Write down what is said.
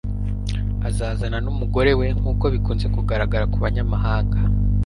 azazana numugore we, nkuko bikunze kugaragara kubanyamahanga